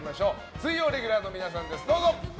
水曜レギュラーの皆さんです！